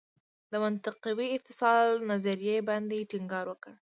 د منطقوي اتصال نظریې باندې ټینګار وکړ.